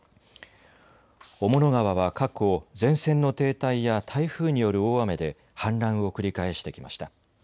雄物川は過去、前線の停滞や台風による大雨で氾濫を繰り返してきました。